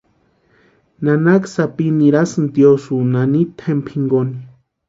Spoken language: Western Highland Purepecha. Nanaka sapi nirasïnti tiosïo nanita jempa jinkoni.